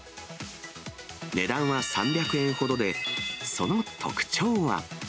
値段は３００円ほどで、その特徴は。